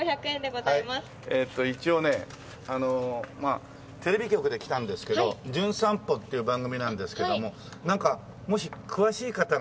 一応ねテレビ局で来たんですけど『じゅん散歩』っていう番組なんですけどもなんかもし詳しい方がいたら。